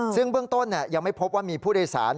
ซึ่งเบื้องต้นยังไม่พบว่ามีผู้โดยสาร